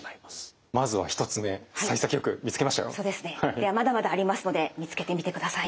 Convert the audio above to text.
ではまだまだありますので見つけてみてください。